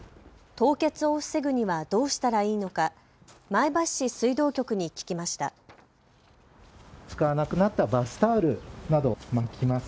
凍結を防ぐにはどうしたらいいのか前橋市水道局に聞きました。